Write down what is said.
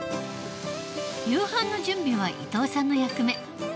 夕飯の準備は伊藤さんの役目。